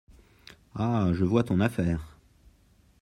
Ah ! je vois ton affaire !…